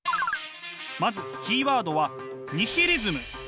まずキーワードは「ニヒリズム」。